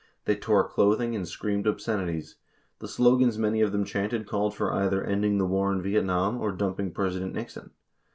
They tore clothing and screamed obscenities. The slogans many of them chanted called for either ending the war in Vietnam or dumping President Nixon.